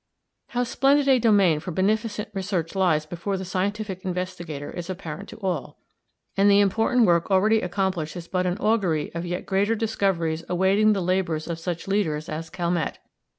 How splendid a domain for beneficent research lies before the scientific investigator is apparent to all, and the important work already accomplished is but an augury of yet greater discoveries awaiting the labours of such leaders as Calmette.